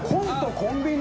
「コンビニ」？